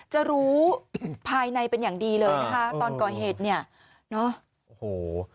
จะรู้ภายในเป็นอย่างดีเลยนะคะตอนก่อเหตุเนี่ยเนอะโอ้โห